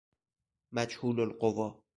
مجهول القوا